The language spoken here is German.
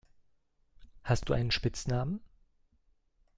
Hast du einen Spitznamen?